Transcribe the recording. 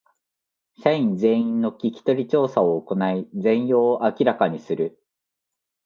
社員全員の聞き取り調査を行い全容を明らかにする